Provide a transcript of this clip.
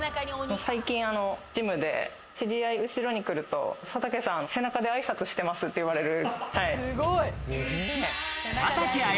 最近ジムで知り合い、後ろに来ると佐竹さん、背中で挨拶してます！って言われる。